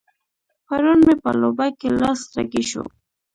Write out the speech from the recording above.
پرون مې په لوبه کې لاس رګی شو.